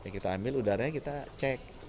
kita ambil udaranya kita cek